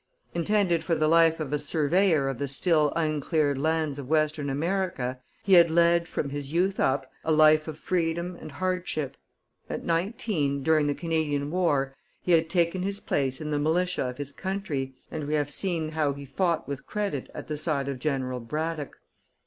Intended for the life of a surveyor of the still uncleared lands of Western America, he had led, from his youth up, a life of freedom and hardship; at nineteen, during the Canadian war, he had taken his place in the militia of his country, and we have seen how he fought with credit at the side of General Braddock.